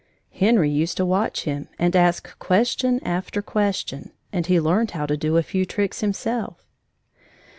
Henry used to watch him and ask question after question, and he learned how to do a few tricks himself.